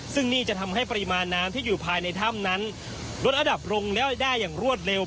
ซึ่งนี่จะทำให้ปริมาณน้ำที่อยู่ภายในถ้ำนั้นลดระดับลงได้อย่างรวดเร็ว